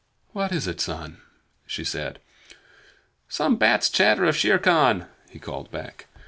"What is it, Son?" she said. "Some bat's chatter of Shere Khan," he called back.